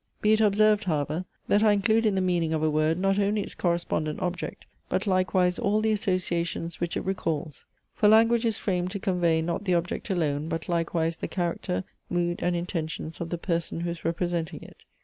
Be it observed, however, that I include in the meaning of a word not only its correspondent object, but likewise all the associations which it recalls. For language is framed to convey not the object alone but likewise the character, mood and intentions of the person who is representing it.